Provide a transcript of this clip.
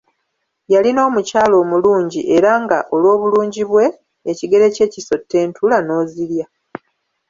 Yalina omukyala omulungi era nga olw’obulungi bwe, ekigere kye kisotta entula n’ozirya.